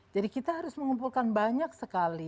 jadi kita harus mengumpulkan banyak sekali